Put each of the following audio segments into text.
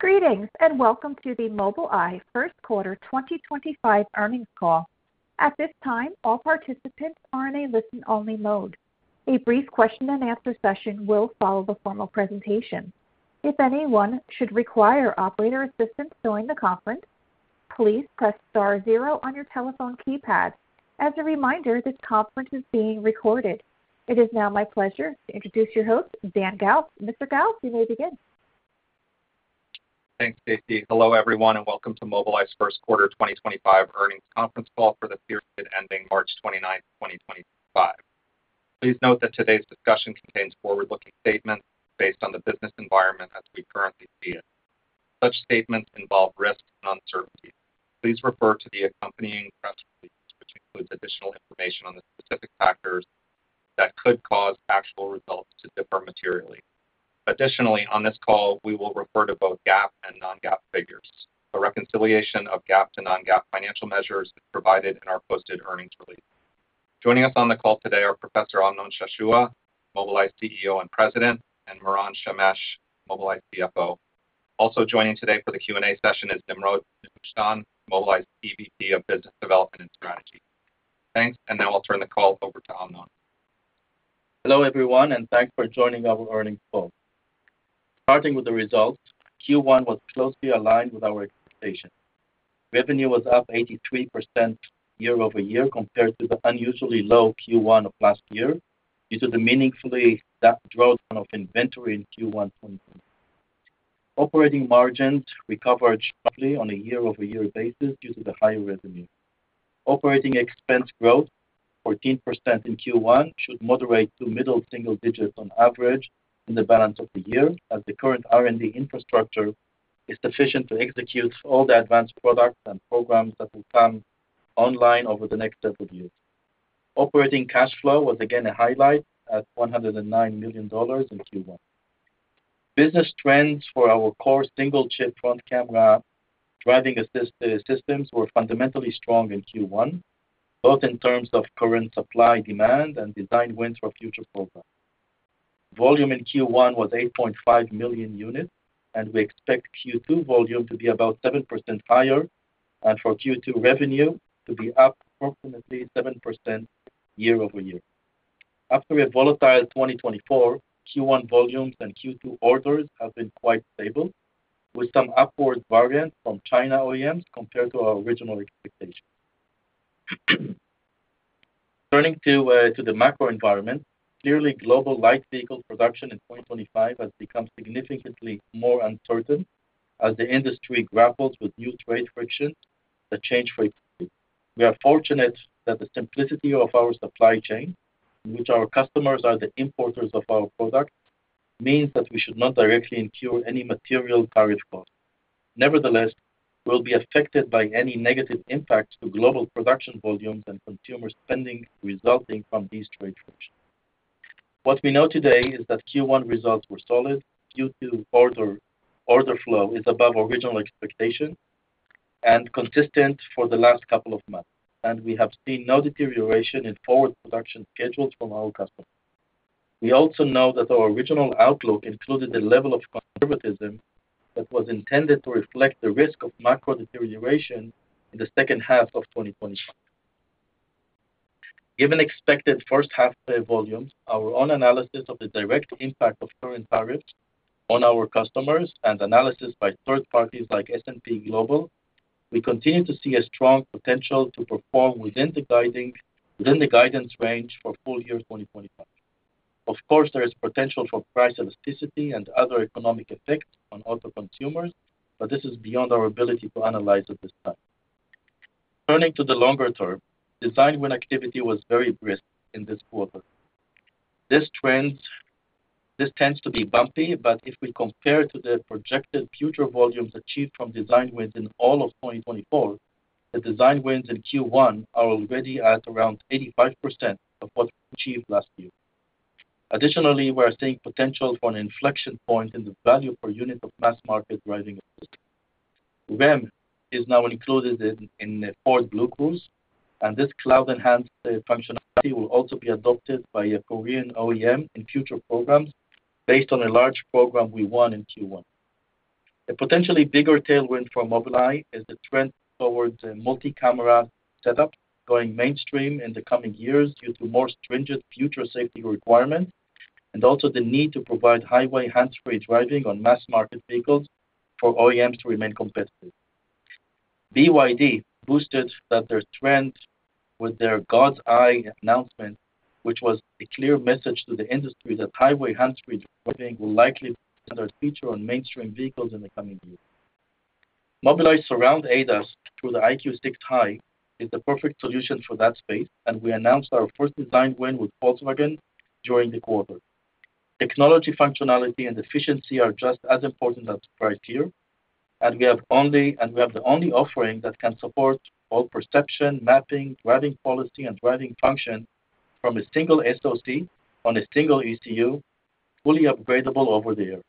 Greetings and welcome to the Mobileye First Quarter 2025 Earnings Call. At this time, all participants are in a listen-only mode. A brief question-and-answer session will follow the formal presentation. If anyone should require operator assistance during the conference, please press star zero on your telephone keypad. As a reminder, this conference is being recorded. It is now my pleasure to introduce your host, Dan Galves. Mr. Galves, you may begin. Thanks, Stacy. Hello, everyone, and welcome to Mobileye's First Quarter 2025 earnings conference call for the period ending March 29, 2025. Please note that today's discussion contains forward-looking statements based on the business environment as we currently see it. Such statements involve risks and uncertainties. Please refer to the accompanying press release, which includes additional information on the specific factors that could cause actual results to differ materially. Additionally, on this call, we will refer to both GAAP and non-GAAP figures. A reconciliation of GAAP to non-GAAP financial measures is provided in our posted earnings release. Joining us on the call today are Professor Amnon Shashua, Mobileye CEO and President, and Moran Shemesh, Mobileye CFO. Also joining today for the Q&A session is Nimrod Nehushtan, Mobileye's EVP of Business Development and Strategy. Thanks, and now I'll turn the call over to Amnon. Hello, everyone, and thanks for joining our earnings call. Starting with the results, Q1 was closely aligned with our expectations. Revenue was up 83% year-over-year compared to the unusually low Q1 of last year due to the meaningfully steep drawdown of inventory in Q1. Operating margins recovered sharply on a year-over-year basis due to the higher revenue. Operating expense growth, 14% in Q1, should moderate to middle single digits on average in the balance of the year as the current R&D infrastructure is sufficient to execute all the advanced products and programs that will come online over the next several years. Operating cash flow was again a highlight at $109 million in Q1. Business trends for our core single chip front camera driving systems were fundamentally strong in Q1, both in terms of current supply demand and design wins for future programs. Volume in Q1 was 8.5 million units, and we expect Q2 volume to be about 7% higher and for Q2 revenue to be up approximately 7% year-over-year. After a volatile 2024, Q1 volumes and Q2 orders have been quite stable, with some upward variance from China OEMs compared to our original expectations. Turning to the macro environment, clearly, global light vehicle production in 2025 has become significantly more uncertain as the industry grapples with new trade frictions that change frequently. We are fortunate that the simplicity of our supply chain, in which our customers are the importers of our product, means that we should not directly incur any material tariff costs. Nevertheless, we will be affected by any negative impacts to global production volumes and consumer spending resulting from these trade frictions. What we know today is that Q1 results were solid due to order flow being above original expectations and consistent for the last couple of months, and we have seen no deterioration in forward production schedules from our customers. We also know that our original outlook included a level of conservatism that was intended to reflect the risk of macro deterioration in the second half of 2025. Given expected first-half volumes, our own analysis of the direct impact of current tariffs on our customers and analysis by third parties like S&P Global, we continue to see a strong potential to perform within the guidance range for full year 2025. Of course, there is potential for price elasticity and other economic effects on auto consumers, but this is beyond our ability to analyze at this time. Turning to the longer term, design win activity was very brisk in this quarter. This tends to be bumpy, but if we compare it to the projected future volumes achieved from design wins in all of 2024, the design wins in Q1 are already at around 85% of what we achieved last year. Additionally, we are seeing potential for an inflection point in the value per unit of mass market driving assistance. REM is now included in Ford BlueCruise, and this cloud-enhanced functionality will also be adopted by a Korean OEM in future programs based on a large program we won in Q1. A potentially bigger tailwind for Mobileye is the trend towards a multi-camera setup going mainstream in the coming years due to more stringent future safety requirements and also the need to provide highway hands-free driving on mass market vehicles for OEMs to remain competitive. BYD boosted their trend with their God's Eye announcement, which was a clear message to the industry that highway hands-free driving will likely be a standard feature on mainstream vehicles in the coming years. Mobileye's Surround ADAS through the EyeQ6 High is the perfect solution for that space, and we announced our first design win with Volkswagen during the quarter. Technology, functionality, and efficiency are just as important as the price here, and we have the only offering that can support all perception, mapping, driving policy, and driving function from a single SoC on a single ECU, fully upgradable over the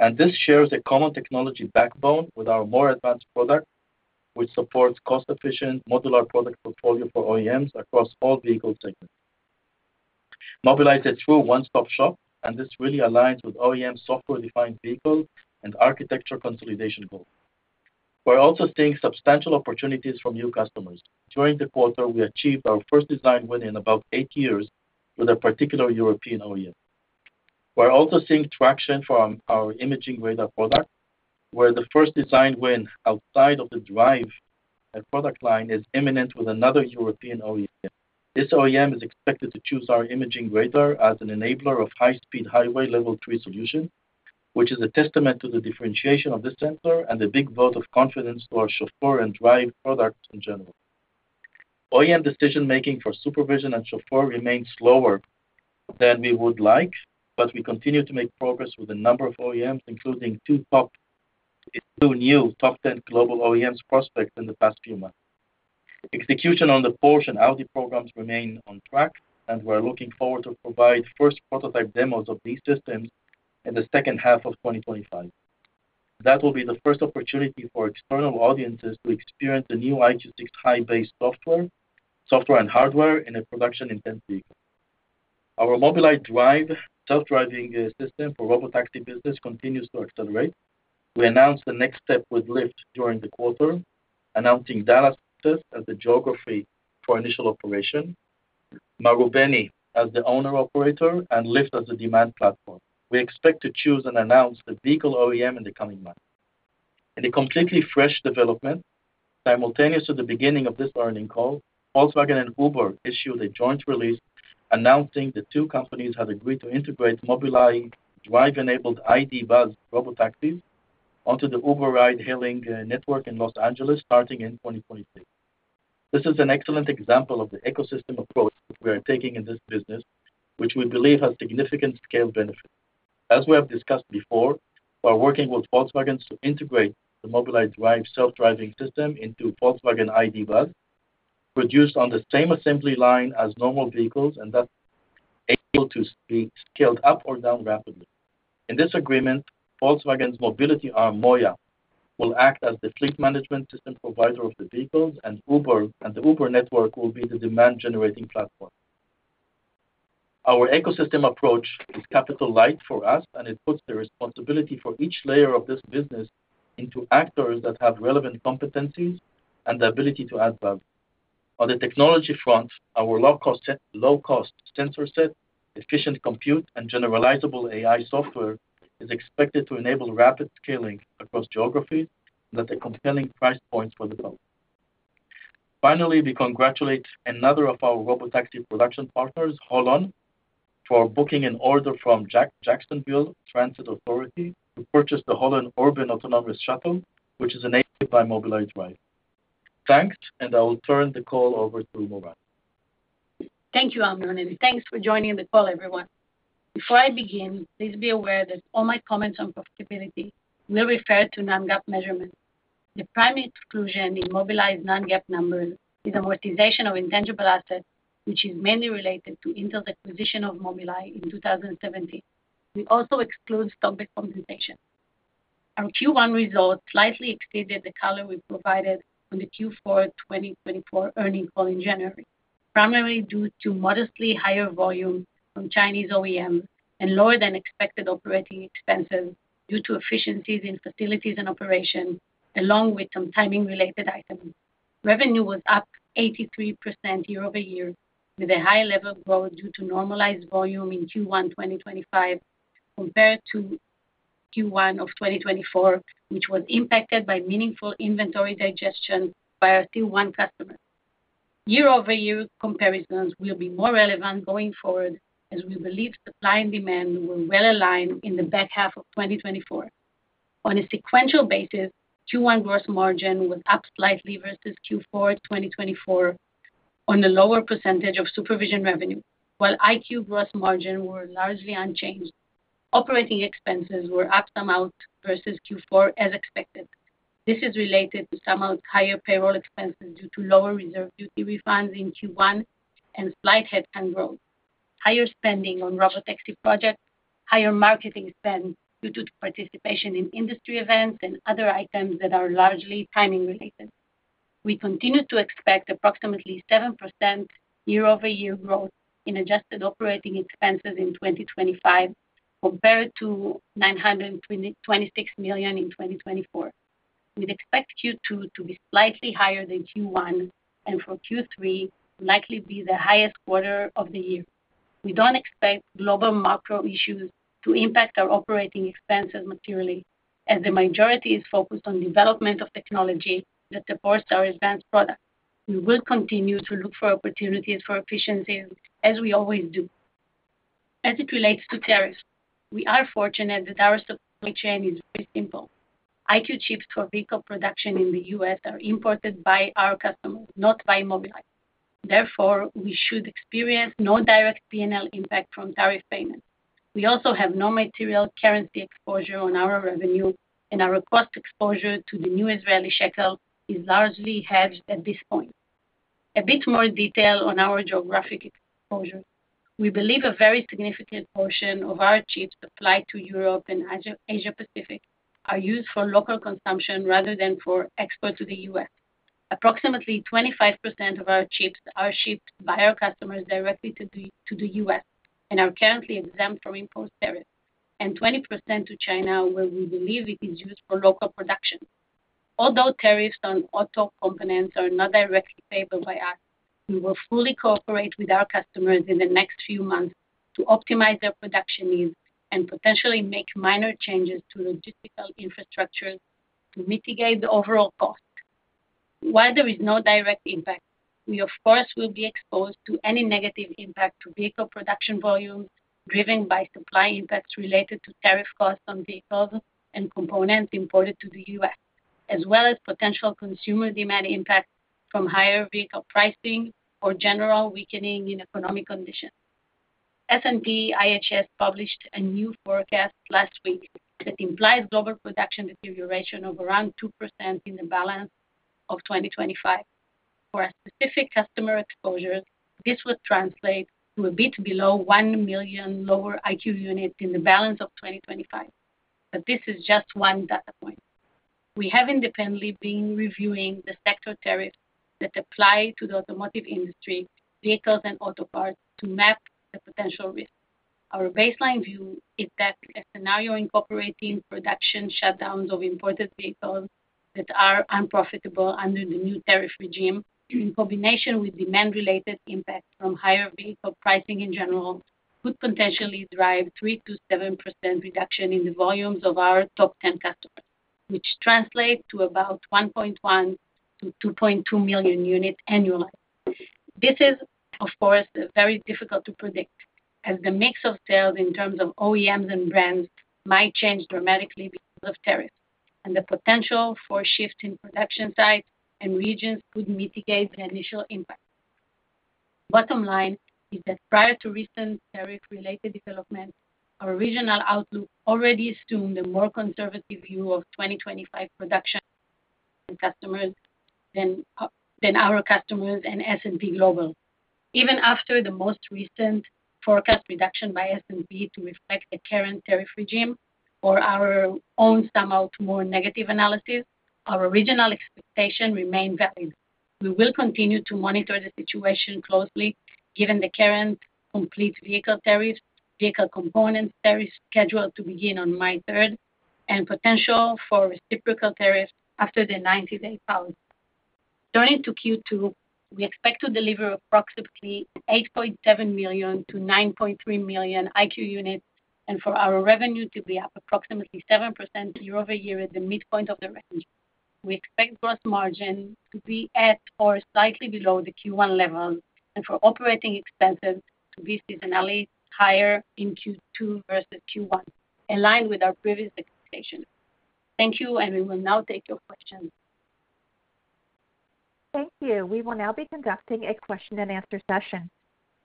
air. This shares a common technology backbone with our more advanced product, which supports cost-efficient modular product portfolio for OEMs across all vehicle segments. Mobileye is a true one-stop shop, and this really aligns with OEMs' software-defined vehicle and architecture consolidation goals. We're also seeing substantial opportunities from new customers. During the quarter, we achieved our first design win in about eight years with a particular European OEM. We're also seeing traction for our imaging radar product, where the first design win outside of the Drive product line is imminent with another European OEM. This OEM is expected to choose our imaging radar as an enabler of high-speed highway Level 3 solutions, which is a testament to the differentiation of this sensor and a big vote of confidence to our Chauffeur and Drive products in general. OEM decision-making for SuperVision and Chauffeur remains slower than we would like, but we continue to make progress with a number of OEMs, including two new top 10 global OEMs prospects in the past few months. Execution on the Porsche and Audi programs remains on track, and we're looking forward to providing first prototype demos of these systems in the second half of 2025. That will be the first opportunity for external audiences to experience the new EyeQ6 High-based software and hardware in a production-intensive vehicle. Our Mobileye Drive self-driving system for robotaxi business continues to accelerate. We announced the next step with Lyft during the quarter, announcing Dallas as the geography for initial operation, Marubeni as the owner-operator, and Lyft as the demand platform. We expect to choose and announce the vehicle OEM in the coming months. In a completely fresh development, simultaneous to the beginning of this earnings call, Volkswagen and Uber issued a joint release announcing the two companies have agreed to integrate Mobileye Drive-enabled ID. Buzz robotaxis onto the Uber ride-hailing network in Los Angeles starting in 2026. This is an excellent example of the ecosystem approach we are taking in this business, which we believe has significant scale benefits. As we have discussed before, we are working with Volkswagen to integrate the Mobileye Drive self-driving system into Volkswagen ID. Buzz, produced on the same assembly line as normal vehicles, and that's able to be scaled up or down rapidly. In this agreement, Volkswagen's mobility arm, MOIA, will act as the fleet management system provider of the vehicles, and the Uber network will be the demand-generating platform. Our ecosystem approach is capital light for us, and it puts the responsibility for each layer of this business into actors that have relevant competencies and the ability to add value. On the technology front, our low-cost sensor set, efficient compute, and generalizable AI software is expected to enable rapid scaling across geographies that are compelling price points for the company. Finally, we congratulate another of our robotaxi production partners, HOLON, for booking an order from Jacksonville Transit Authority to purchase the HOLON Urban Autonomous Shuttle, which is enabled by Mobileye Drive. Thanks, and I will turn the call over to Moran. Thank you, Amnon, and thanks for joining the call, everyone. Before I begin, please be aware that all my comments on profitability will refer to non-GAAP measurements. The primary exclusion in Mobileye's non-GAAP numbers is amortization of intangible assets, which is mainly related to Intel's acquisition of Mobileye in 2017. We also exclude stock-based compensation. Our Q1 results slightly exceeded the color we provided on the Q4 2024 earnings call in January, primarily due to modestly higher volume from Chinese OEMs and lower than expected operating expenses due to efficiencies in facilities and operation, along with some timing-related items. Revenue was up 83% year-over-year, with a higher level of growth due to normalized volume in Q1 2025 compared to Q1 of 2024, which was impacted by meaningful inventory digestion by our Q1 customers. Year-over-year comparisons will be more relevant going forward as we believe supply and demand were well aligned in the back half of 2024. On a sequential basis, Q1 gross margin was up slightly versus Q4 2024 on a lower percentage of SuperVision revenue, while EyeQ gross margin was largely unchanged. Operating expenses were up somewhat versus Q4, as expected. This is related to somewhat higher payroll expenses due to lower reserve duty refunds in Q1 and slight headcount growth, higher spending on robotaxi projects, and higher marketing spend due to participation in industry events and other items that are largely timing-related. We continue to expect approximately 7% year-over-year growth in adjusted operating expenses in 2025 compared to $926 million in 2024. We expect Q2 to be slightly higher than Q1, and for Q3, likely be the highest quarter of the year. We don't expect global macro issues to impact our operating expenses materially, as the majority is focused on development of technology that supports our advanced products. We will continue to look for opportunities for efficiencies, as we always do. As it relates to tariffs, we are fortunate that our supply chain is very simple. EyeQ chips for vehicle production in the US are imported by our customers, not by Mobileye. Therefore, we should experience no direct P&L impact from tariff payments. We also have no material currency exposure on our revenue, and our cost exposure to the new Israeli shekel is largely hedged at this point. A bit more detail on our geographic exposure. We believe a very significant portion of our chips supplied to Europe and Asia-Pacific are used for local consumption rather than for export to the US. Approximately 25% of our chips are shipped by our customers directly to the US and are currently exempt from import tariffs, and 20% to China, where we believe it is used for local production. Although tariffs on auto components are not directly favored by us, we will fully cooperate with our customers in the next few months to optimize their production needs and potentially make minor changes to logistical infrastructure to mitigate the overall cost. While there is no direct impact, we, of course, will be exposed to any negative impact to vehicle production volumes driven by supply impacts related to tariff costs on vehicles and components imported to the US, as well as potential consumer demand impacts from higher vehicle pricing or general weakening in economic conditions. S&P Global published a new forecast last week that implies global production deterioration of around 2% in the balance of 2025. For our specific customer exposures, this would translate to a bit below 1 million lower EyeQ units in the balance of 2025, but this is just one data point. We have independently been reviewing the sector tariffs that apply to the automotive industry, vehicles, and auto parts to map the potential risks. Our baseline view is that a scenario incorporating production shutdowns of imported vehicles that are unprofitable under the new tariff regime, in combination with demand-related impacts from higher vehicle pricing in general, could potentially drive a 3%-7% reduction in the volumes of our top 10 customers, which translates to about 1.1-2.2 million units annually. This is, of course, very difficult to predict, as the mix of sales in terms of OEMs and brands might change dramatically because of tariffs, and the potential for a shift in production size and regions could mitigate the initial impact. Bottom line is that prior to recent tariff-related developments, our regional outlook already assumed a more conservative view of 2025 production customers than our customers and S&P Global. Even after the most recent forecast reduction by S&P Global to reflect the current tariff regime or our own somewhat more negative analysis, our original expectation remained valid. We will continue to monitor the situation closely, given the current complete vehicle tariffs, vehicle components tariffs scheduled to begin on May 3, and potential for reciprocal tariffs after the 90-day pause. Turning to Q2, we expect to deliver approximately 8.7 million-9.3 million EyeQ units and for our revenue to be up approximately 7% year-over-year at the midpoint of the range. We expect gross margin to be at or slightly below the Q1 levels and for operating expenses to be seasonally higher in Q2 versus Q1, aligned with our previous expectations. Thank you, and we will now take your questions. Thank you. We will now be conducting a question-and-answer session.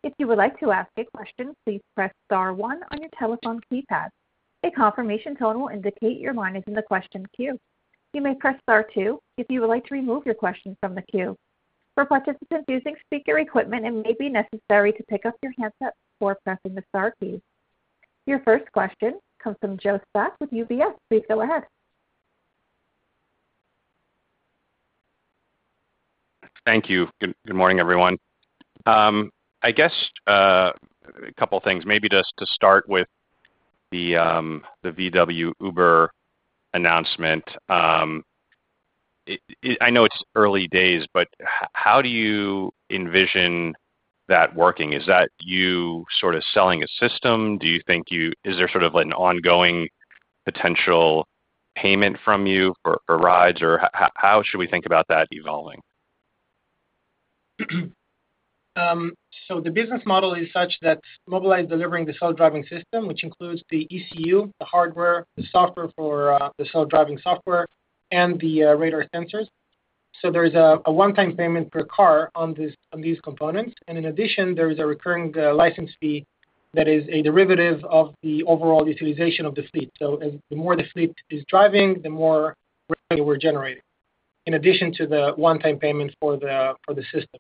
If you would like to ask a question, please press Star one on your telephone keypad. A confirmation tone will indicate your line is in the question queue. You may press Star two if you would like to remove your question from the queue. For participants using speaker equipment, it may be necessary to pick up your handset before pressing the Star key. Your first question comes from Joe Spak with UBS. Please go ahead. Thank you. Good morning, everyone. I guess a couple of things, maybe just to start with the VW Uber announcement. I know it's early days, but how do you envision that working? Is that you sort of selling a system? Do you think you—is there sort of an ongoing potential payment from you for rides, or how should we think about that evolving? The business model is such that Mobileye is delivering the self-driving system, which includes the ECU, the hardware, the software for the self-driving software, and the radar sensors. There is a one-time payment per car on these components. In addition, there is a recurring license fee that is a derivative of the overall utilization of the fleet. The more the fleet is driving, the more revenue we're generating, in addition to the one-time payment for the system.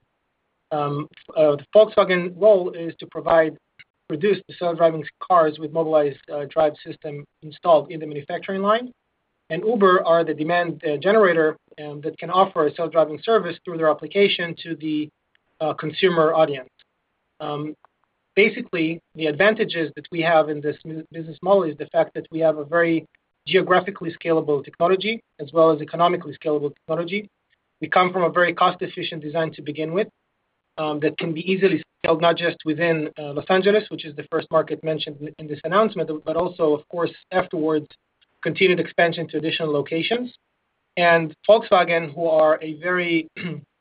The Volkswagen role is to produce the self-driving cars with Mobileye's Drive system installed in the manufacturing line. Uber are the demand generator that can offer a self-driving service through their application to the consumer audience. Basically, the advantages that we have in this business model is the fact that we have a very geographically scalable technology, as well as economically scalable technology. We come from a very cost-efficient design to begin with that can be easily scaled not just within Los Angeles, which is the first market mentioned in this announcement, but also, of course, afterwards, continued expansion to additional locations. Volkswagen, who are a very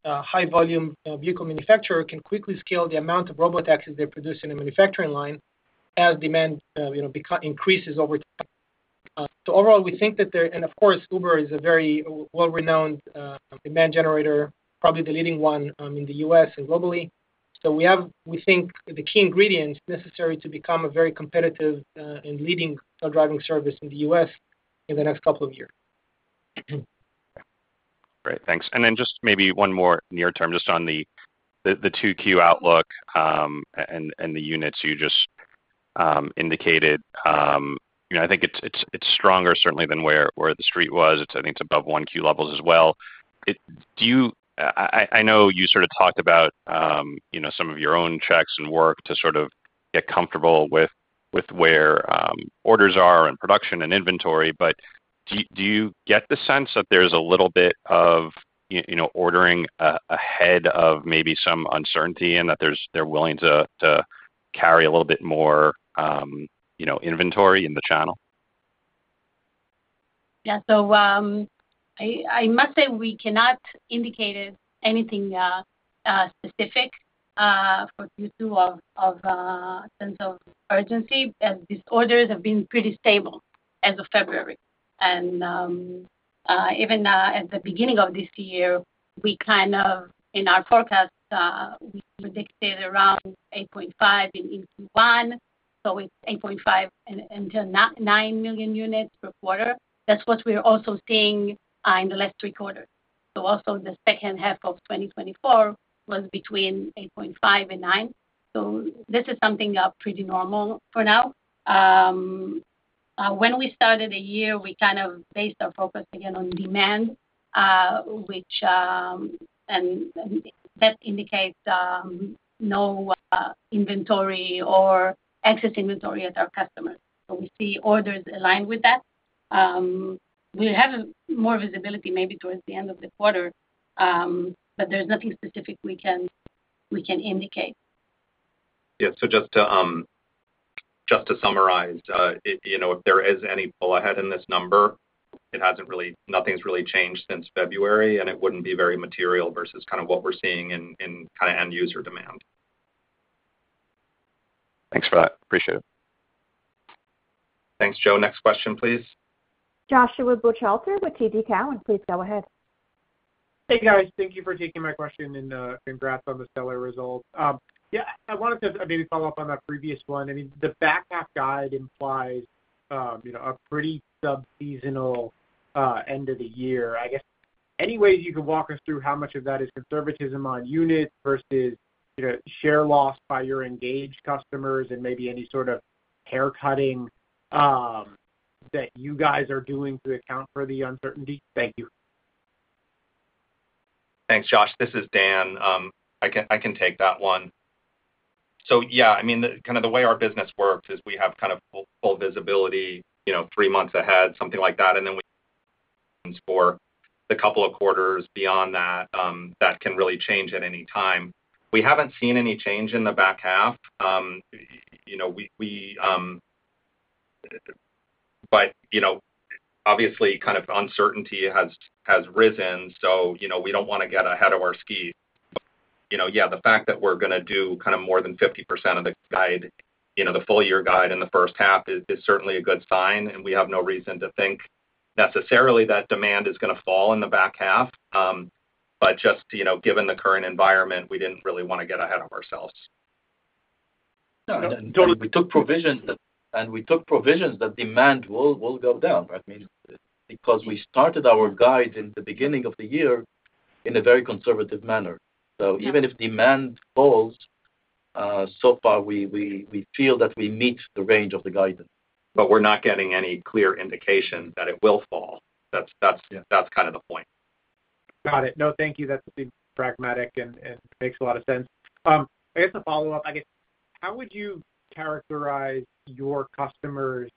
high-volume vehicle manufacturer, can quickly scale the amount of robotaxis they produce in the manufacturing line as demand increases over time. Overall, we think that there are, and of course, Uber is a very well-renowned demand generator, probably the leading one in the US and globally. We think the key ingredients necessary to become a very competitive and leading self-driving service in the US in the next couple of years. Great. Thanks. Maybe one more near term, just on the 2Q outlook and the units you just indicated. I think it's stronger, certainly, than where the street was. I think it's above 1Q levels as well. I know you sort of talked about some of your own checks and work to sort of get comfortable with where orders are and production and inventory, but do you get the sense that there's a little bit of ordering ahead of maybe some uncertainty and that they're willing to carry a little bit more inventory in the channel? Yeah. I must say we cannot indicate anything specific due to a sense of urgency, as these orders have been pretty stable as of February. Even at the beginning of this year, we kind of, in our forecast, predicted around 8.5 in Q1. It is 8.5-9 million units per quarter. That is what we are also seeing in the last three quarters. Also, the second half of 2024 was between 8.5 and 9. This is something pretty normal for now. When we started the year, we kind of based our focus again on demand, and that indicates no inventory or excess inventory at our customers. We see orders aligned with that. We have more visibility maybe towards the end of the quarter, but there is nothing specific we can indicate. Yeah. Just to summarize, if there is any pull ahead in this number, nothing's really changed since February, and it wouldn't be very material versus kind of what we're seeing in kind of end-user demand. Thanks for that. Appreciate it. Thanks, Joe. Next question, please. Joshua Buchalter with TD Cowen, please go ahead. Hey, guys. Thank you for taking my question and congrats on the stellar results. Yeah, I wanted to maybe follow up on that previous one. I mean, the back half guide implies a pretty subseasonal end of the year. I guess any way you could walk us through how much of that is conservatism on units versus share loss by your engaged customers and maybe any sort of haircutting that you guys are doing to account for the uncertainty? Thank you. Thanks, Josh. This is Dan. I can take that one. Yeah, I mean, kind of the way our business works is we have kind of full visibility three months ahead, something like that, and then for the couple of quarters beyond that, that can really change at any time. We have not seen any change in the back half. Obviously, kind of uncertainty has risen, so we do not want to get ahead of our skis. Yeah, the fact that we are going to do more than 50% of the guide, the full-year guide in the first half, is certainly a good sign, and we have no reason to think necessarily that demand is going to fall in the back half. Just given the current environment, we did not really want to get ahead of ourselves. No, no. Totally. We took provisions, and we took provisions that demand will go down, right? I mean, because we started our guide in the beginning of the year in a very conservative manner. Even if demand falls, so far, we feel that we meet the range of the guidance. We're not getting any clear indication that it will fall. That's kind of the point. Got it. No, thank you. That's been pragmatic and makes a lot of sense. I guess a follow-up, I guess, how would you characterize your customers'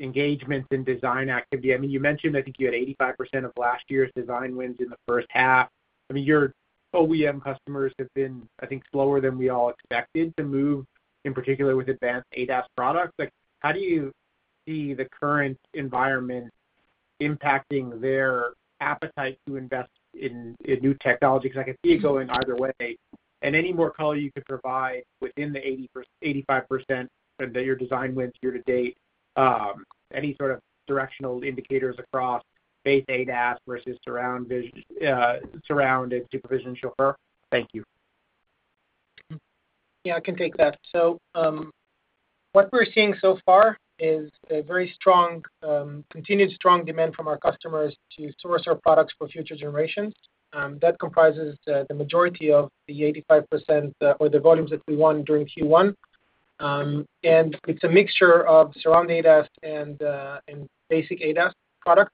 engagement in design activity? I mean, you mentioned, I think you had 85% of last year's design wins in the first half. I mean, your OEM customers have been, I think, slower than we all expected to move, in particular with advanced ADAS products. How do you see the current environment impacting their appetite to invest in new technology? Because I can see it going either way. Any more color you could provide within the 85% that your design wins year to date, any sort of directional indicators across base ADAS versus surround, SuperVision, Chauffeur? Thank you. Yeah, I can take that. What we're seeing so far is a very continued strong demand from our customers to source our products for future generations. That comprises the majority of the 85% of the volumes that we won during Q1. It's a mixture of Surround ADAS and basic ADAS products.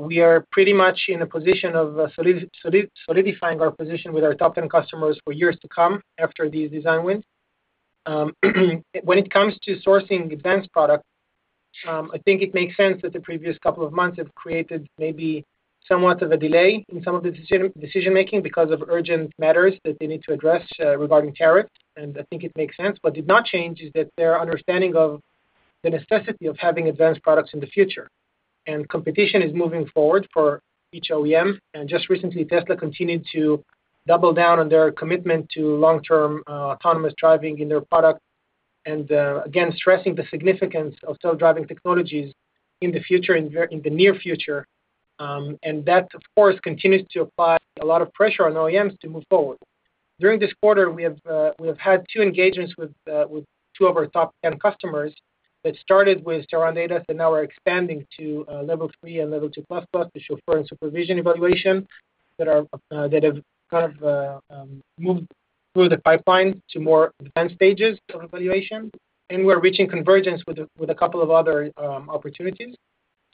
We are pretty much in a position of solidifying our position with our top 10 customers for years to come after these design wins. When it comes to sourcing advanced products, I think it makes sense that the previous couple of months have created maybe somewhat of a delay in some of the decision-making because of urgent matters that they need to address regarding tariffs. I think it makes sense. What did not change is their understanding of the necessity of having advanced products in the future. Competition is moving forward for each OEM. Just recently, Tesla continued to double down on their commitment to long-term autonomous driving in their product and, again, stressing the significance of self-driving technologies in the future, in the near future. That, of course, continues to apply a lot of pressure on OEMs to move forward. During this quarter, we have had two engagements with two of our top 10 customers that started with Surround ADAS and now are expanding to Level 3 and Level 2++ to Chauffeur and SuperVision evaluation that have kind of moved through the pipeline to more advanced stages of evaluation. We are reaching convergence with a couple of other opportunities.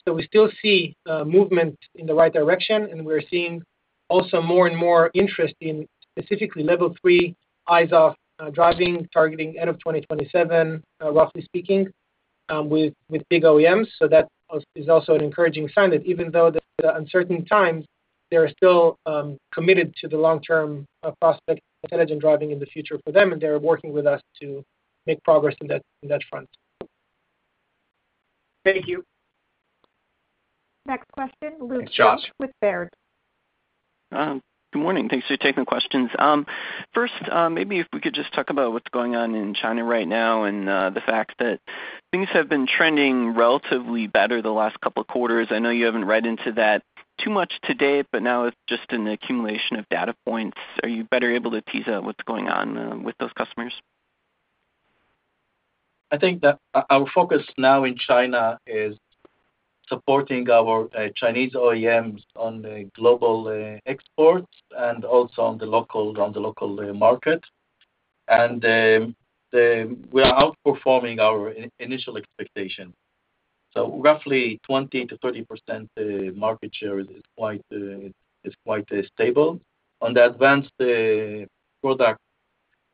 We still see movement in the right direction, and we are seeing also more and more interest in specifically Level 3 eyes-off driving, targeting end of 2027, roughly speaking, with big OEMs. That is also an encouraging sign that even though there are uncertain times, they are still committed to the long-term prospect of intelligent driving in the future for them, and they're working with us to make progress on that front. Thank you. Next question, Luke Junk with Baird. Good morning. Thanks for taking the questions. First, maybe if we could just talk about what's going on in China right now and the fact that things have been trending relatively better the last couple of quarters. I know you haven't read into that too much today, but now it's just an accumulation of data points. Are you better able to tease out what's going on with those customers? I think our focus now in China is supporting our Chinese OEMs on the global exports and also on the local market. We are outperforming our initial expectation. Roughly 20-30% market share is quite stable. On the advanced product,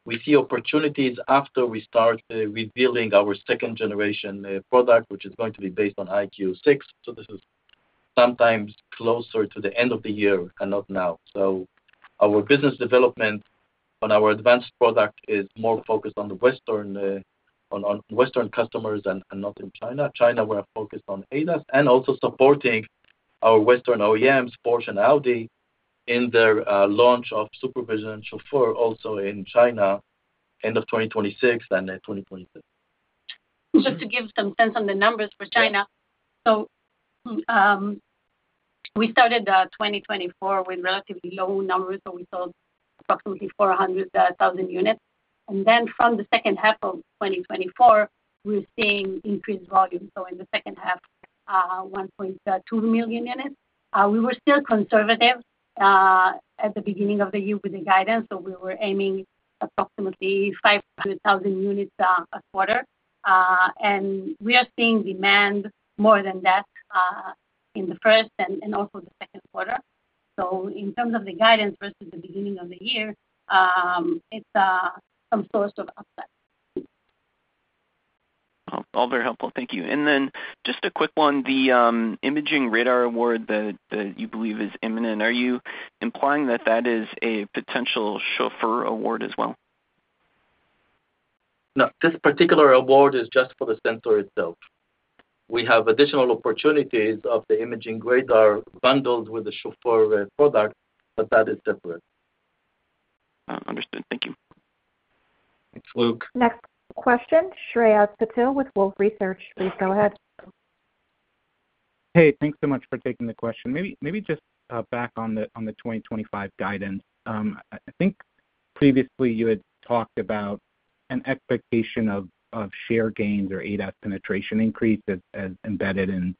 we see opportunities after we start revealing our second-generation product, which is going to be based on EyeQ6. This is sometimes closer to the end of the year and not now. Our business development on our advanced product is more focused on the Western customers and not in China. In China, we're focused on ADAS and also supporting our Western OEMs, Porsche and Audi, in their launch of SuperVision Chauffeur also in China end of 2026 and 2027. Just to give some sense on the numbers for China, we started 2024 with relatively low numbers. We sold approximately 400,000 units. From the second half of 2024, we're seeing increased volume. In the second half, 1.2 million units. We were still conservative at the beginning of the year with the guidance. We were aiming approximately 500,000 units a quarter. We are seeing demand more than that in the first and also the second quarter. In terms of the guidance versus the beginning of the year, it's some source of upset. All very helpful. Thank you. Just a quick one, the imaging radar award that you believe is imminent, are you implying that that is a potential Chauffeur award as well? No, this particular award is just for the sensor itself. We have additional opportunities of the imaging radar bundled with the Chauffeur product, but that is separate. Understood. Thank you. Thanks, Luke. Next question, Shreyas Patil with Wolfe Research. Please go ahead. Hey, thanks so much for taking the question. Maybe just back on the 2025 guidance. I think previously you had talked about an expectation of share gains or ADAS penetration increase as embedded in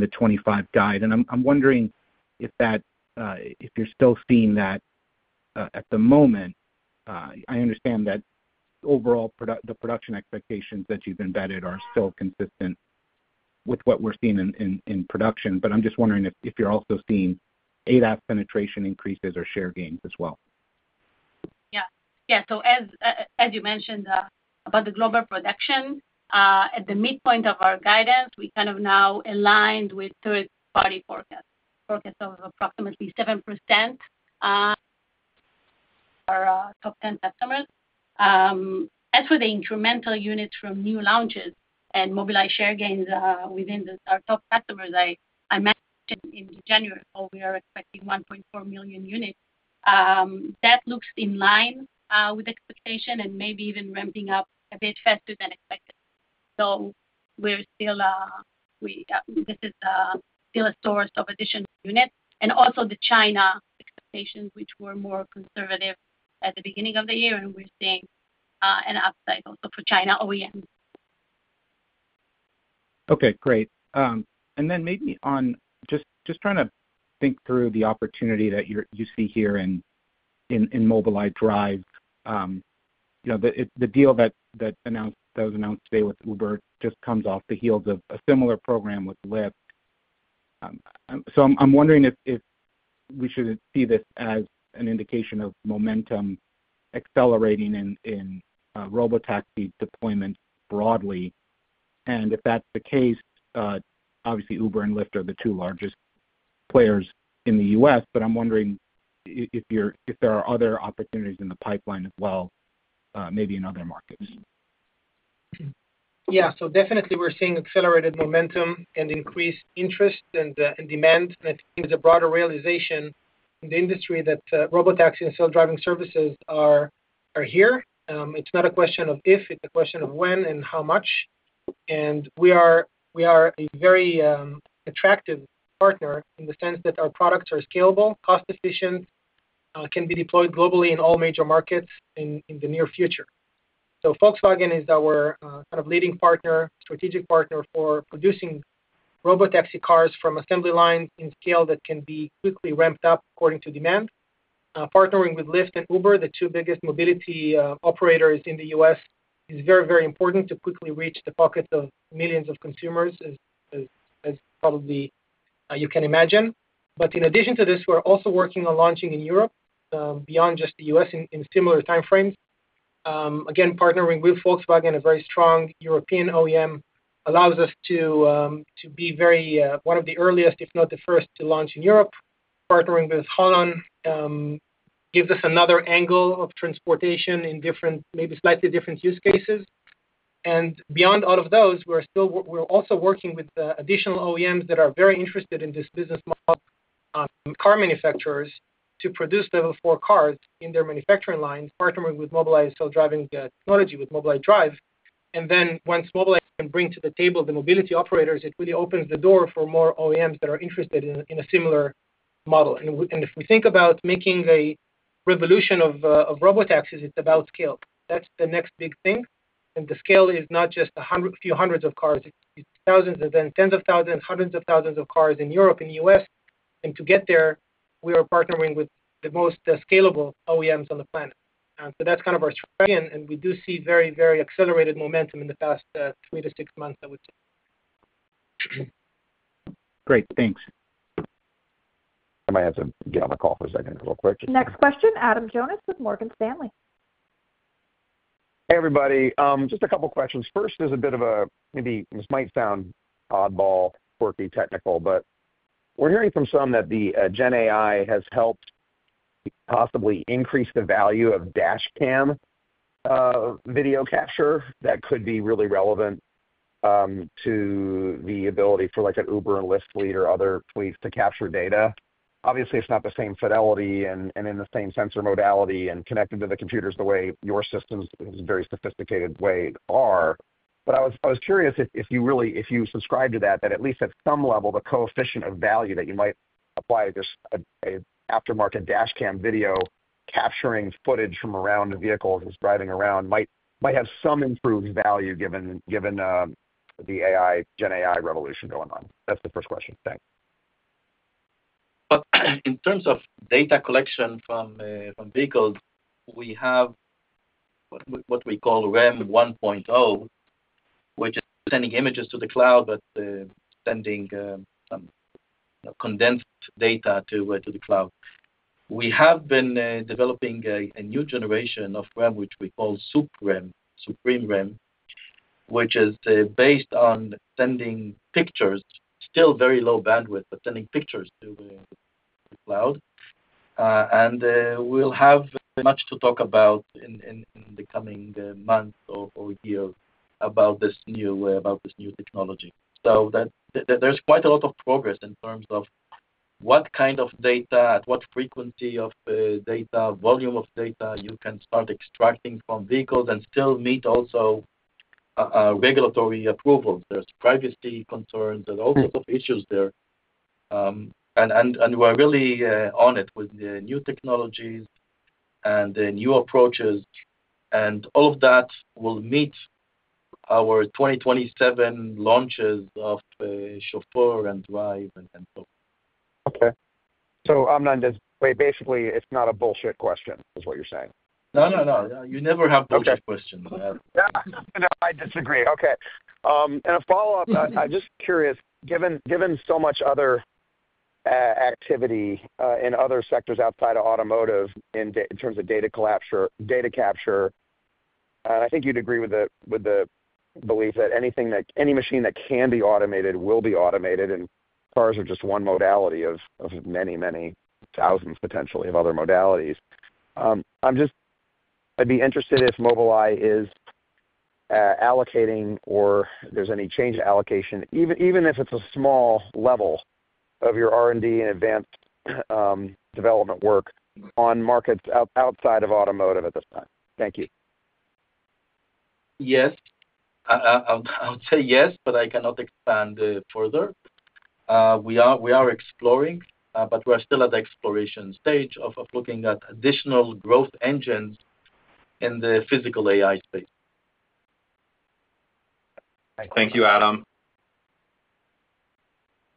the 25 guide. I'm wondering if you're still seeing that at the moment. I understand that overall, the production expectations that you've embedded are still consistent with what we're seeing in production, but I'm just wondering if you're also seeing ADAS penetration increases or share gains as well. Yeah. Yeah. As you mentioned about the global production, at the midpoint of our guidance, we are now aligned with third-party forecasts of approximately 7% of our top 10 customers. As for the incremental units from new launches and Mobileye share gains within our top customers, I mentioned in January, we are expecting 1.4 million units. That looks in line with expectations and maybe even ramping up a bit faster than expected. This is still a source of additional units. Also, the China expectations, which were more conservative at the beginning of the year, we are seeing an upside also for China OEMs. Okay. Great. Maybe on just trying to think through the opportunity that you see here in Mobileye Drive, the deal that was announced today with Uber just comes off the heels of a similar program with Lyft. I am wondering if we should see this as an indication of momentum accelerating in robotaxi deployment broadly. If that is the case, obviously, Uber and Lyft are the two largest players in the US, but I am wondering if there are other opportunities in the pipeline as well, maybe in other markets. Yeah. Definitely, we're seeing accelerated momentum and increased interest and demand. I think there's a broader realization in the industry that robotaxi and self-driving services are here. It's not a question of if, it's a question of when and how much. We are a very attractive partner in the sense that our products are scalable, cost-efficient, can be deployed globally in all major markets in the near future. Volkswagen is our kind of leading strategic partner for producing robotaxi cars from assembly lines in scale that can be quickly ramped up according to demand. Partnering with Lyft and Uber, the two biggest mobility operators in the US, is very, very important to quickly reach the pockets of millions of consumers, as probably you can imagine. In addition to this, we're also working on launching in Europe beyond just the US in similar timeframes. Again, partnering with Volkswagen, a very strong European OEM, allows us to be one of the earliest, if not the first, to launch in Europe. Partnering with HOLON gives us another angle of transportation in maybe slightly different use cases. Beyond all of those, we're also working with additional OEMs that are very interested in this business model, car manufacturers, to produce Level 4 cars in their manufacturing lines, partnering with Mobileye's self-driving technology, with Mobileye Drive. Once Mobileye can bring to the table the mobility operators, it really opens the door for more OEMs that are interested in a similar model. If we think about making a revolution of robotaxis, it's about scale. That's the next big thing. The scale is not just a few hundreds of cars, it's thousands and then tens of thousands, hundreds of thousands of cars in Europe and the US. To get there, we are partnering with the most scalable OEMs on the planet. That's kind of our strategy. We do see very, very accelerated momentum in the past three to six months, I would say. Great. Thanks. I might have to get on the call for a second real quick. Next question, Adam Jonas with Morgan Stanley. Hey, everybody. Just a couple of questions. First, there's a bit of a maybe this might sound oddball, quirky, technical, but we're hearing from some that the GenAI has helped possibly increase the value of dashcam video capture. That could be really relevant to the ability for an Uber and Lyft fleet or other fleets to capture data. Obviously, it's not the same fidelity and in the same sensor modality and connected to the computers the way your systems, in a very sophisticated way, are. I was curious if you subscribe to that, that at least at some level, the coefficient of value that you might apply to just an aftermarket dashcam video capturing footage from around the vehicles that's driving around might have some improved value given the GenAI revolution going on. That's the first question. Thanks. In terms of data collection from vehicles, we have what we call REM 1.0, which is sending images to the cloud, but sending condensed data to the cloud. We have been developing a new generation of REM, which we call SupREM, Supreme REM, which is based on sending pictures, still very low bandwidth, but sending pictures to the cloud. We will have much to talk about in the coming months or years about this new technology. There is quite a lot of progress in terms of what kind of data, at what frequency of data, volume of data you can start extracting from vehicles and still meet also regulatory approvals. There are privacy concerns. There are all sorts of issues there. We are really on it with the new technologies and the new approaches. All of that will meet our 2027 launches of Chauffeur and Drive and so forth. Okay. So basically, it's not a bullshit question, is what you're saying? No, no, no. You never have bullshit questions. Yeah. I disagree. Okay. A follow-up, I'm just curious, given so much other activity in other sectors outside of automotive in terms of data capture, I think you'd agree with the belief that any machine that can be automated will be automated, and cars are just one modality of many, many thousands potentially of other modalities. I'd be interested if Mobileye is allocating or there's any change allocation, even if it's a small level of your R&D and advanced development work on markets outside of automotive at this time. Thank you. Yes. I would say yes, but I cannot expand further. We are exploring, but we are still at the exploration stage of looking at additional growth engines in the physical AI space. Thank you, Adam.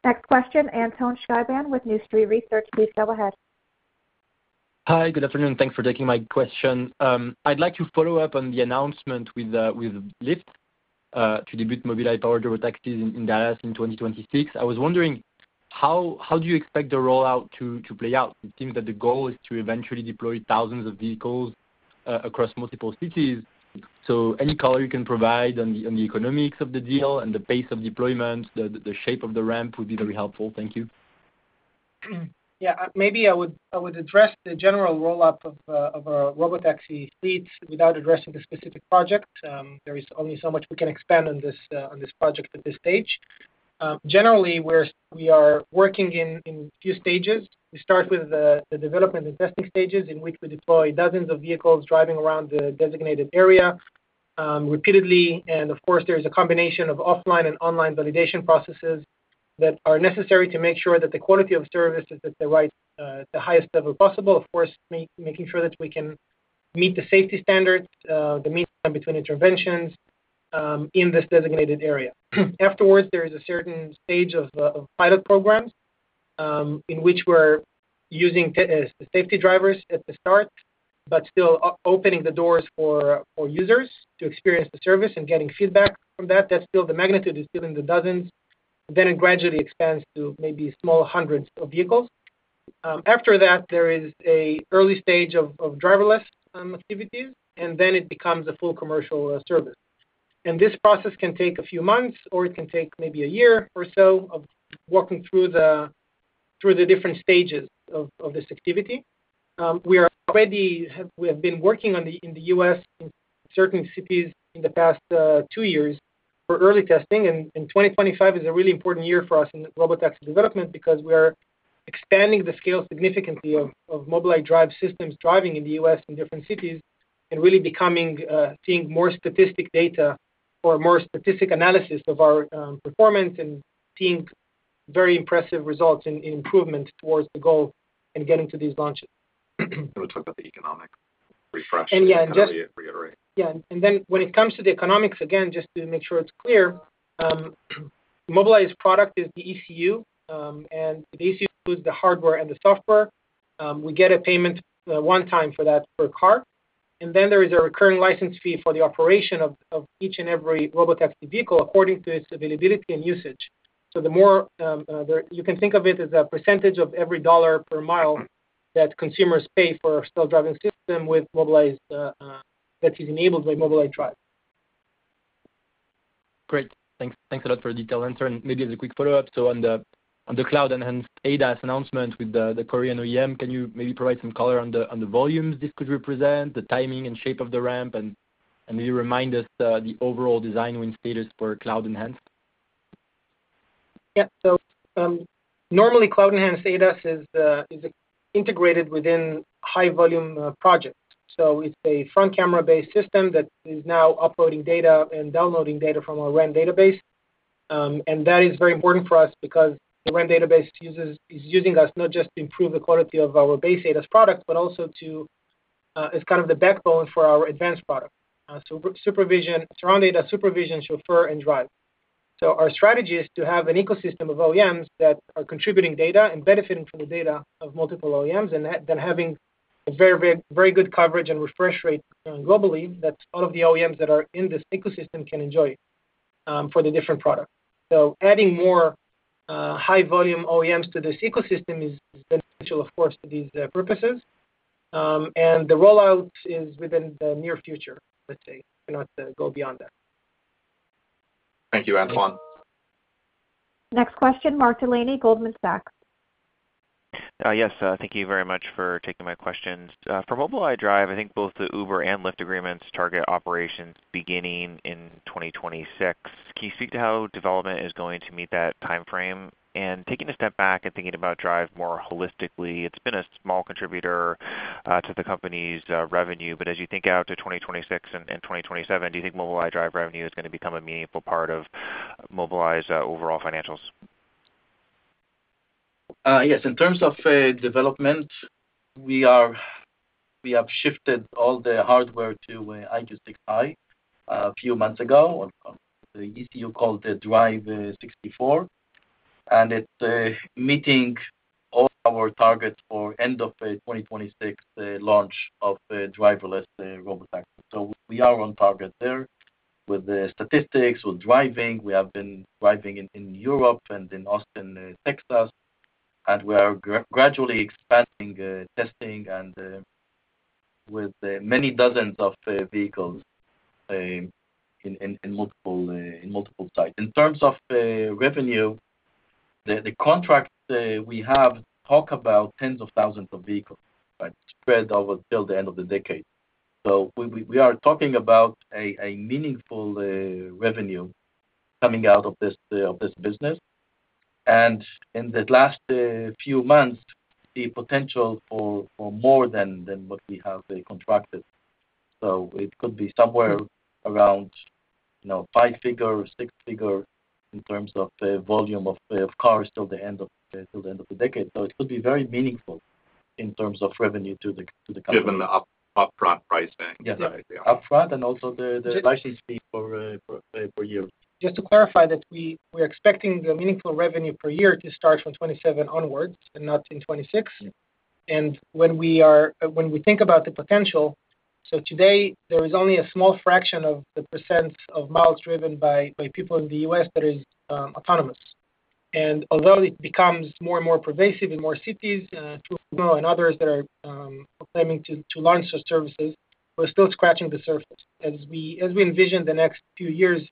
Next question, Antoine Chkaiban with New Street Research. Please go ahead. Hi, good afternoon. Thanks for taking my question. I'd like to follow up on the announcement with Lyft to debut Mobileye-powered robotaxis in Dallas in 2026. I was wondering, how do you expect the rollout to play out? It seems that the goal is to eventually deploy thousands of vehicles across multiple cities. Any color you can provide on the economics of the deal and the pace of deployment, the shape of the ramp would be very helpful. Thank you. Yeah. Maybe I would address the general roll-up of our robotaxi fleets without addressing the specific project. There is only so much we can expand on this project at this stage. Generally, we are working in a few stages. We start with the development and testing stages in which we deploy dozens of vehicles driving around the designated area repeatedly. Of course, there is a combination of offline and online validation processes that are necessary to make sure that the quality of service is at the highest level possible. Of course, making sure that we can meet the safety standards, the mean time between interventions in this designated area. Afterwards, there is a certain stage of pilot programs in which we're using the safety drivers at the start, but still opening the doors for users to experience the service and getting feedback from that. That still the magnitude is still in the dozens. It gradually expands to maybe small hundreds of vehicles. After that, there is an early stage of driverless activities, and it becomes a full commercial service. This process can take a few months, or it can take maybe a year or so of walking through the different stages of this activity. We have been working in the U.S. in certain cities in the past two years for early testing. 2025 is a really important year for us in robotaxi development because we are expanding the scale significantly of Mobileye Drive systems driving in the U.S. in different cities and really seeing more statistic data or more statistic analysis of our performance and seeing very impressive results in improvement towards the goal and getting to these launches. I'm going to talk about the economic refresh and reiterate. Yeah. When it comes to the economics, again, just to make sure it's clear, Mobileye's product is the ECU, and the ECU is the hardware and the software. We get a payment one time for that per car. There is a recurring license fee for the operation of each and every robotaxi vehicle according to its availability and usage. You can think of it as a percentage of every dollar per mile that consumers pay for a self-driving system that is enabled by Mobileye Drive. Great. Thanks a lot for the detailed answer. Maybe as a quick follow-up, on the cloud-enhanced ADAS announcement with the Korean OEM, can you maybe provide some color on the volumes this could represent, the timing and shape of the ramp, and maybe remind us the overall design win status for cloud-enhanced? Yeah. Normally, cloud-enhanced ADAS is integrated within high-volume projects. It is a front-camera-based system that is now uploading data and downloading data from our REM database. That is very important for us because the REM database is using us not just to improve the quality of our base ADAS product, but also it is kind of the backbone for our advanced product. Surround ADAS, SuperVision, Chauffeur, and Drive. Our strategy is to have an ecosystem of OEMs that are contributing data and benefiting from the data of multiple OEMs, and then having a very good coverage and refresh rate globally that all of the OEMs that are in this ecosystem can enjoy for the different products. Adding more high-volume OEMs to this ecosystem is beneficial, of course, to these purposes. The rollout is within the near future, let's say. We're not going to go beyond that. Thank you, Antoine. Next question, Mark Delaney Goldman Sachs. Yes. Thank you very much for taking my questions. For Mobileye Drive, I think both the Uber and Lyft agreements target operations beginning in 2026. Can you speak to how development is going to meet that timeframe? Taking a step back and thinking about Drive more holistically, it's been a small contributor to the company's revenue. As you think out to 2026 and 2027, do you think Mobileye Drive revenue is going to become a meaningful part of Mobileye's overall financials? Yes. In terms of development, we have shifted all the hardware to EyeQ6 High a few months ago. The ECU called the Drive 64. It is meeting all our targets for end of 2026 launch of driverless robotaxis. We are on target there with the statistics, with driving. We have been driving in Europe and in Austin, Texas. We are gradually expanding testing with many dozens of vehicles in multiple sites. In terms of revenue, the contract we have talks about tens of thousands of vehicles spread over till the end of the decade. We are talking about a meaningful revenue coming out of this business. In the last few months, the potential for more than what we have contracted. It could be somewhere around five-figure, six-figure in terms of volume of cars till the end of the decade. It could be very meaningful in terms of revenue to the company. Given the upfront pricing. Yes. Upfront and also the license fee per year. Just to clarify that we're expecting meaningful revenue per year to start from 2027 onwards and not in 2026. When we think about the potential, today, there is only a small fraction of a percent of miles driven by people in the U.S. that is autonomous. Although it becomes more and more pervasive in more cities, [TrueForm] and others that are claiming to launch those services, we're still scratching the surface. As we envision the next few years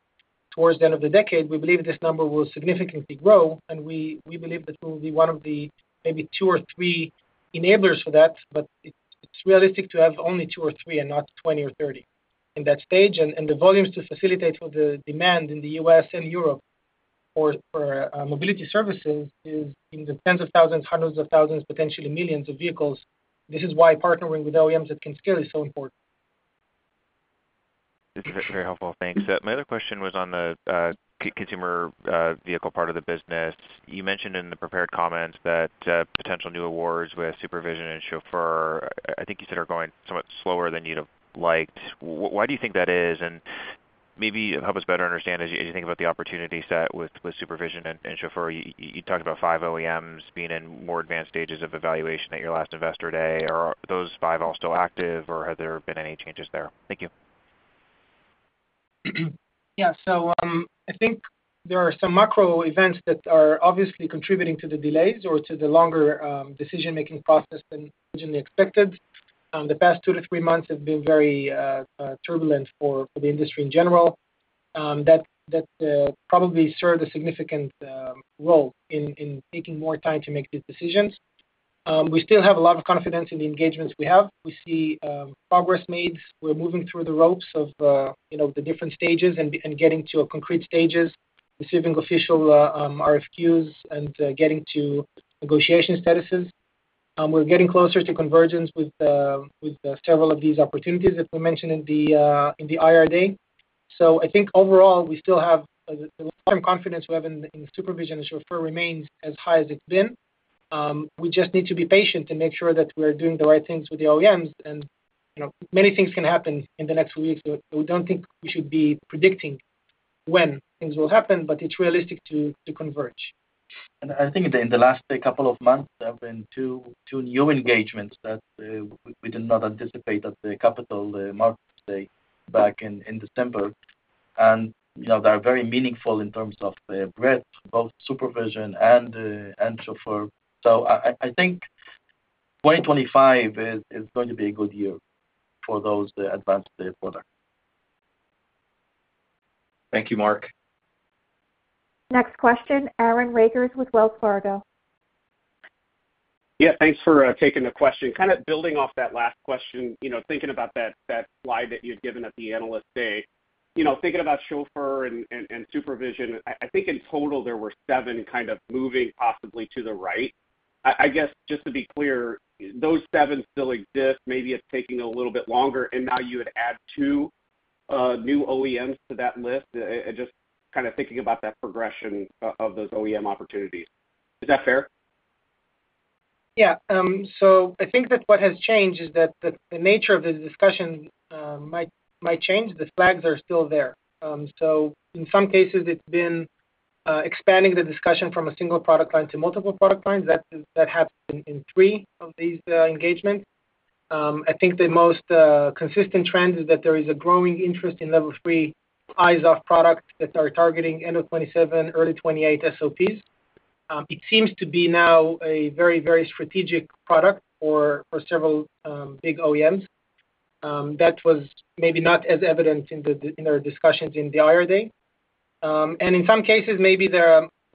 towards the end of the decade, we believe this number will significantly grow. We believe that we will be one of the maybe two or three enablers for that. It is realistic to have only two or three and not 20 or 30 in that stage. The volumes to facilitate for the demand in the U.S. and Europe for mobility services is in the tens of thousands, hundreds of thousands, potentially millions of vehicles. This is why partnering with OEMs that can scale is so important. This is very helpful. Thanks. My other question was on the consumer vehicle part of the business. You mentioned in the prepared comments that potential new awards with SuperVision and Chauffeur, I think you said, are going somewhat slower than you'd have liked. Why do you think that is? Maybe help us better understand as you think about the opportunity set with SuperVision and Chauffeur. You talked about five OEMs being in more advanced stages of evaluation at your last investor day. Are those five all still active, or have there been any changes there? Thank you. Yeah. I think there are some macro events that are obviously contributing to the delays or to the longer decision-making process than originally expected. The past two to three months have been very turbulent for the industry in general. That probably served a significant role in taking more time to make these decisions. We still have a lot of confidence in the engagements we have. We see progress made. We're moving through the ropes of the different stages and getting to concrete stages, receiving official RFQs and getting to negotiation statuses. We're getting closer to convergence with several of these opportunities that we mentioned in the IR day. I think overall, we still have the long-term confidence we have in SuperVision and Chauffeur remains as high as it's been. We just need to be patient and make sure that we're doing the right things with the OEMs. Many things can happen in the next few weeks. We don't think we should be predicting when things will happen, but it's realistic to converge. I think in the last couple of months, there have been two new engagements that we did not anticipate at the Capital Markets Day back in December. They are very meaningful in terms of breadth, both SuperVision and Chauffeur. I think 2025 is going to be a good year for those advanced products. Thank you, Mark. Next question, Aaron Rakers with Wells Fargo. Yeah. Thanks for taking the question. Kind of building off that last question, thinking about that slide that you had given at the analyst day, thinking about Chauffeur and SuperVision, I think in total, there were seven kind of moving possibly to the right. I guess just to be clear, those seven still exist. Maybe it's taking a little bit longer. And now you would add two new OEMs to that list. Just kind of thinking about that progression of those OEM opportunities. Is that fair? Yeah. I think that what has changed is that the nature of the discussion might change. The flags are still there. In some cases, it's been expanding the discussion from a single product line to multiple product lines. That happened in three of these engagements. I think the most consistent trend is that there is a growing interest in Level 3 eyes-off products that are targeting end of 2027, early 2028 SOPs. It seems to be now a very, very strategic product for several big OEMs. That was maybe not as evident in our discussions in the IR day. In some cases, maybe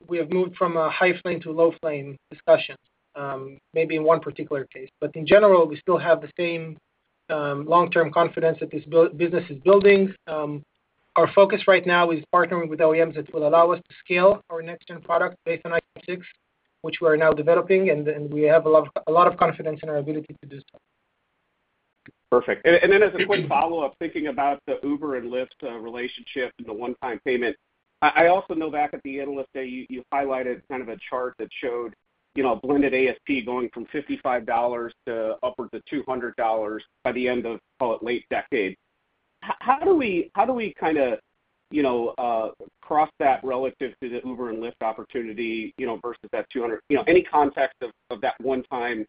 we have moved from a high flame to low flame discussion, maybe in one particular case. In general, we still have the same long-term confidence that this business is building. Our focus right now is partnering with OEMs that will allow us to scale our next-gen product based on EyeQ6 High, which we are now developing. We have a lot of confidence in our ability to do so. Perfect. As a quick follow-up, thinking about the Uber and Lyft relationship and the one-time payment, I also know back at the analyst day, you highlighted kind of a chart that showed a blended ASP going from $55 to upwards of $200 by the end of, call it, late decade. How do we kind of cross that relative to the Uber and Lyft opportunity versus that $200? Any context of that one-time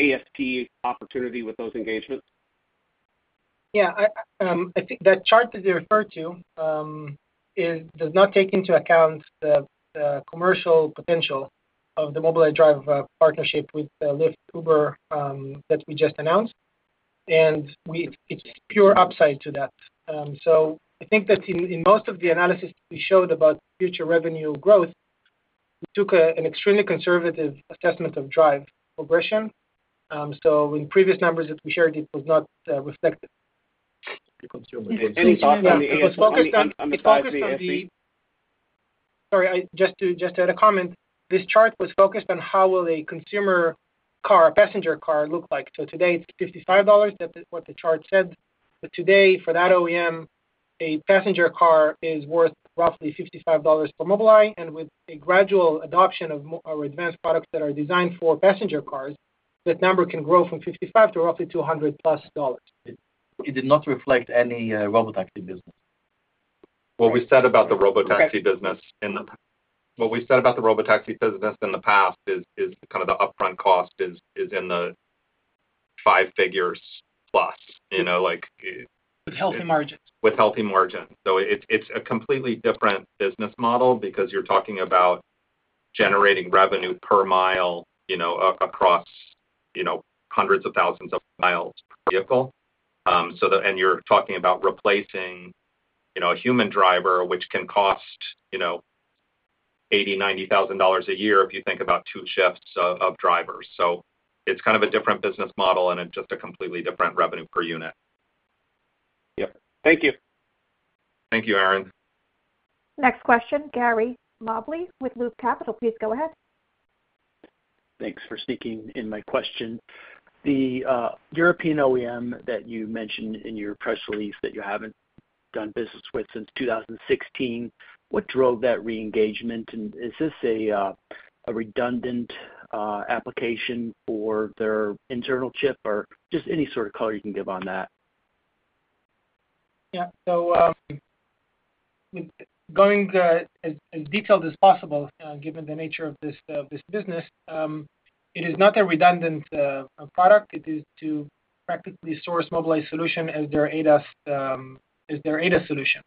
ASP opportunity with those engagements? Yeah. I think that chart that you referred to does not take into account the commercial potential of the Mobileye Drive partnership with Lyft, Uber that we just announced. It is pure upside to that. I think that in most of the analysis we showed about future revenue growth, we took an extremely conservative assessment of Drive progression. In previous numbers that we shared, it was not reflected. Any thoughts on the ASP? It was focused on the ASP. Sorry, just to add a comment. This chart was focused on how will a consumer car, a passenger car, look like. Today, it's $55, that's what the chart said. Today, for that OEM, a passenger car is worth roughly $55 for Mobileye. With a gradual adoption of our advanced products that are designed for passenger cars, that number can grow from $55 to roughly $200-plus. It did not reflect any robotaxi business. What we said about the robotaxi business in the past. What we said about the robotaxi business in the past is kind of the upfront cost is in the five figures plus. With healthy margins. With healthy margins. It is a completely different business model because you're talking about generating revenue per mile across hundreds of thousands of miles per vehicle. You're talking about replacing a human driver, which can cost $80,000-$90,000 a year if you think about two shifts of drivers. It is kind of a different business model and just a completely different revenue per unit. Yep. Thank you. Thank you, Aaron. Next question, Gary Mobley with Loop Capital. Please go ahead. Thanks for sneaking in my question. The European OEM that you mentioned in your press release that you haven't done business with since 2016, what drove that re-engagement? Is this a redundant application for their internal chip or just any sort of color you can give on that? Yeah. Going as detailed as possible, given the nature of this business, it is not a redundant product. It is to practically source Mobileye solution as their ADAS solution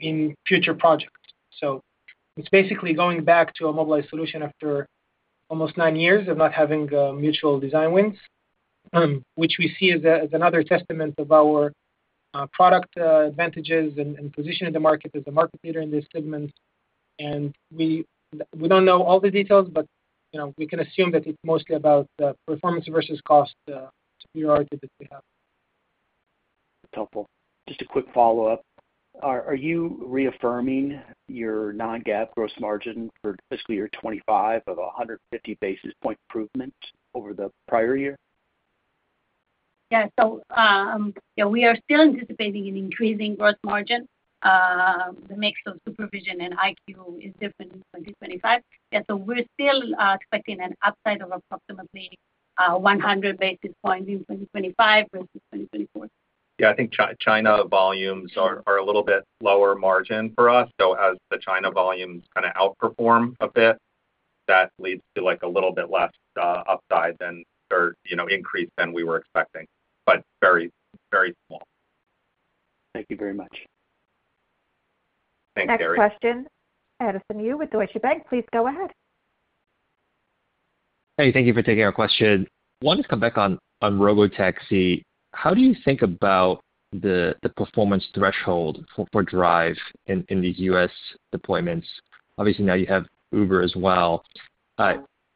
in future projects. It is basically going back to a Mobileye solution after almost nine years of not having mutual design wins, which we see as another testament of our product advantages and position in the market as a market leader in this segment. We do not know all the details, but we can assume that it is mostly about performance versus cost superiority that we have. That's helpful. Just a quick follow-up. Are you reaffirming your non-GAAP gross margin for fiscal year 2025 of 150 basis point improvement over the prior year? Yeah. We are still anticipating an increasing gross margin. The mix of SuperVision and EyeQ is different in 2025. Yeah. We are still expecting an upside of approximately 100 basis points in 2025 versus 2024. Yeah. I think China volumes are a little bit lower margin for us. As the China volumes kind of outperform a bit, that leads to a little bit less upside than increase than we were expecting, but very small. Thank you very much. Thanks, Gary. Next question, Edison Yu with Deutsche Bank. Please go ahead. Hey, thank you for taking our question. I wanted to come back on robotaxi. How do you think about the performance threshold for Drive in these US deployments? Obviously, now you have Uber as well.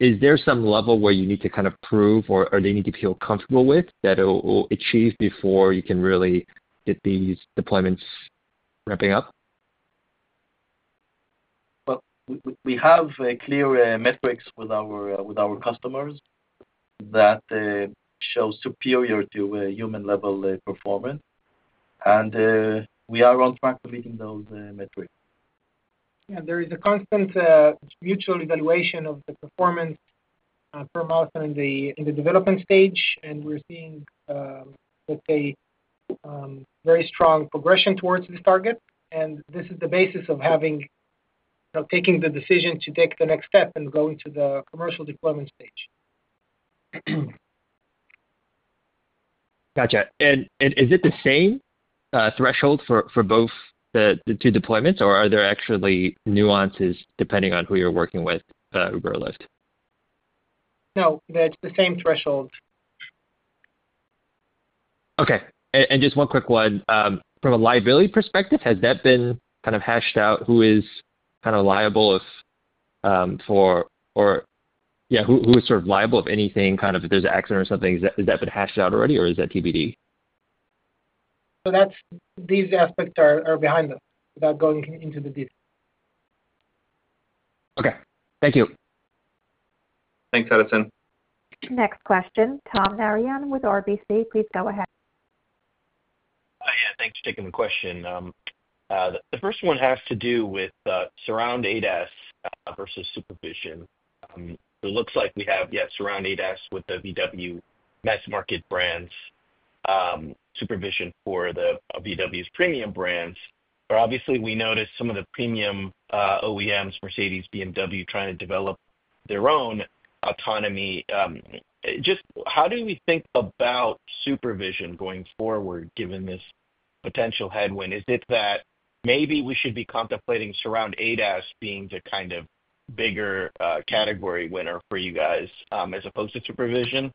Is there some level where you need to kind of prove or they need to feel comfortable with that it will achieve before you can really get these deployments ramping up? We have clear metrics with our customers that show superior to human-level performance. And we are on track to meeting those metrics. Yeah. There is a constant mutual evaluation of the performance per milestone in the development stage. We are seeing, let's say, very strong progression towards this target. This is the basis of taking the decision to take the next step and go into the commercial deployment stage. Gotcha. Is it the same threshold for both the two deployments, or are there actually nuances depending on who you're working with, Uber or Lyft? No. It's the same threshold. Okay. Just one quick one. From a liability perspective, has that been kind of hashed out? Who is kind of liable for, or yeah, who is sort of liable if anything, kind of if there's an accident or something? Has that been hashed out already, or is that TBD? These aspects are behind us without going into the details. Okay. Thank you. Thanks, Edison. Next question, Tom Narayan with RBC. Please go ahead. Yeah. Thanks for taking the question. The first one has to do with Surround ADAS versus SuperVision. It looks like we have, yeah, Surround ADAS with the Volkswagen mass-market brands, SuperVision for the Volkswagen's premium brands. Obviously, we noticed some of the premium OEMs, Mercedes, BMW, trying to develop their own autonomy. Just how do we think about SuperVision going forward, given this potential headwind? Is it that maybe we should be contemplating Surround ADAS being the kind of bigger category winner for you guys as opposed to SuperVision?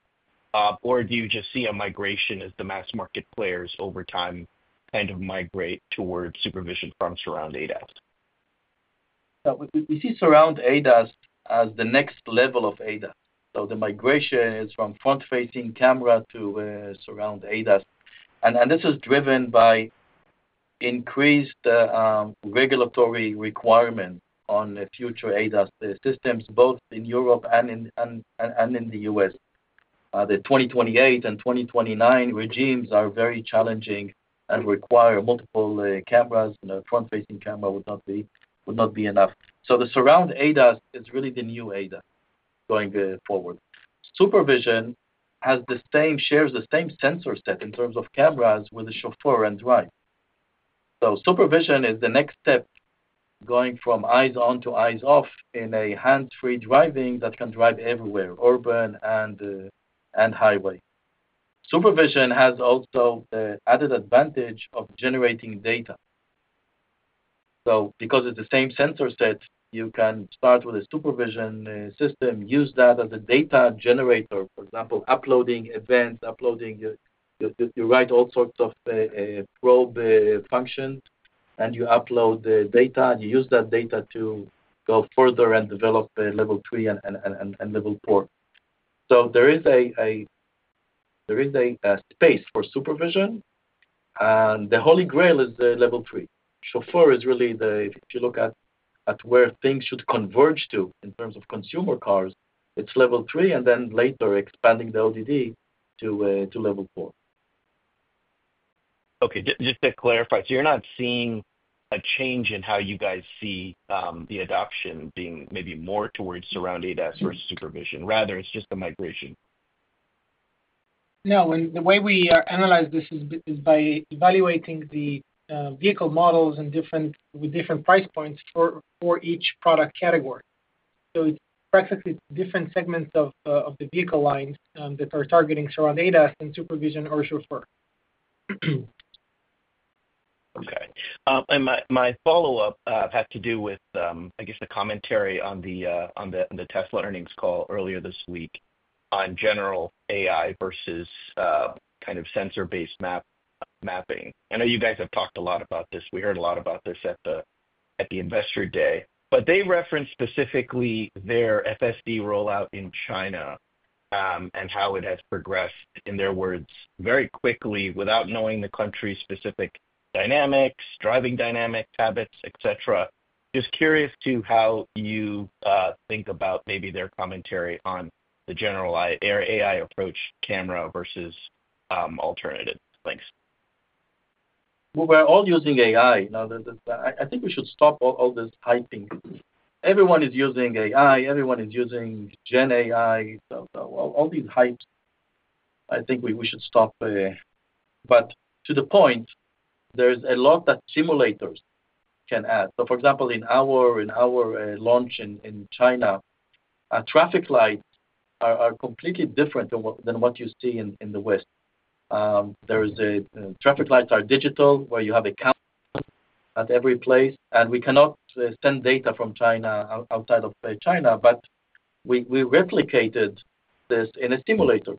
Or do you just see a migration as the mass-market players over time kind of migrate towards SuperVision from Surround ADAS? We see Surround ADAS as the next level of ADAS. The migration is from front-facing camera to Surround ADAS. This is driven by increased regulatory requirements on future ADAS systems, both in Europe and in the US. The 2028 and 2029 regimes are very challenging and require multiple cameras. Front-facing camera would not be enough. The Surround ADAS is really the new ADAS going forward. SuperVision shares the same sensor set in terms of cameras with the Chauffeur and Drive. SuperVision is the next step going from eyes-on to eyes-off in a hands-free driving that can drive everywhere, urban and highway. SuperVision has also the added advantage of generating data. Because it's the same sensor set, you can start with a SuperVision system, use that as a data generator, for example, uploading events, uploading, you write all sorts of probe functions, and you upload the data, and you use that data to go further and develop Level 3 and Level 4. There is a space for SuperVision. The Holy Grail is Level 3. Chauffeur is really the, if you look at where things should converge to in terms of consumer cars, it's Level 3, and then later expanding the ODD to Level 4. Okay. Just to clarify, so you're not seeing a change in how you guys see the adoption being maybe more towards Surround ADAS versus SuperVision? Rather, it's just the migration. No. The way we analyze this is by evaluating the vehicle models with different price points for each product category. It is practically different segments of the vehicle lines that are targeting Surround ADAS and SuperVision or Chauffeur. Okay. My follow-up has to do with, I guess, the commentary on the Tesla earnings call earlier this week on general AI versus kind of sensor-based mapping. I know you guys have talked a lot about this. We heard a lot about this at the investor day. They referenced specifically their FSD rollout in China and how it has progressed, in their words, very quickly without knowing the country's specific dynamics, driving dynamics, habits, etc. Just curious to how you think about maybe their commentary on the general AI approach, camera versus alternative. Thanks. We're all using AI. I think we should stop all this hyping. Everyone is using AI. Everyone is using GenAI. All these hypes, I think we should stop. To the point, there's a lot that simulators can add. For example, in our launch in China, traffic lights are completely different than what you see in the West. Traffic lights are digital where you have a camera at every place. We cannot send data from China outside of China. We replicated this in a simulator.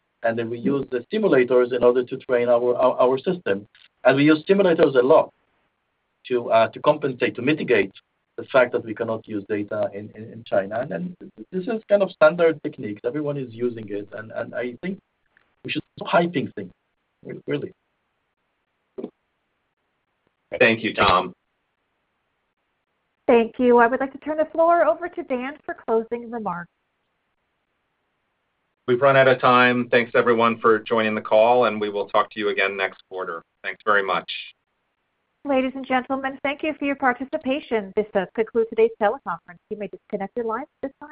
We used the simulators in order to train our system. We use simulators a lot to compensate, to mitigate the fact that we cannot use data in China. This is kind of standard technique. Everyone is using it. I think we should stop hyping things, really. Thank you, Tom. Thank you. I would like to turn the floor over to Dan for closing remarks. We've run out of time. Thanks, everyone, for joining the call. We will talk to you again next quarter. Thanks very much. Ladies and gentlemen, thank you for your participation. This does conclude today's teleconference. You may disconnect your lines at this time.